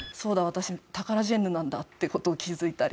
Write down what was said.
私タカラジェンヌなんだって事を気づいたり。